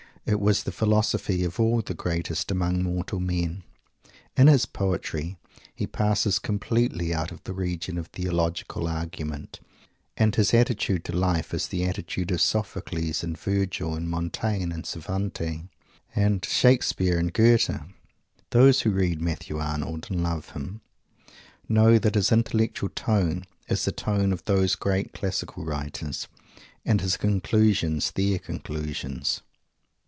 It was the philosophy of all the very greatest among mortal men! In his poetry he passes completely out of the region of Theological argument, and his attitude to life is the attitude of Sophocles and Virgil and Montaigne and Cervantes and Shakespeare and Goethe. Those who read Matthew Arnold, and love him, know that his intellectual tone is the tone of those great classical writers, and his conclusions their conclusions.